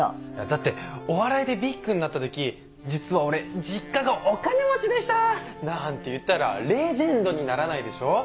だってお笑いでビッグになった時「実は俺実家がお金持ちでした！」なんて言ったらレジェンドにならないでしょ？